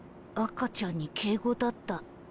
赤ちゃんに敬語だった。